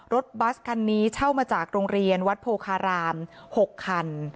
บัสคันนี้เช่ามาจากโรงเรียนวัดโพคาราม๖คัน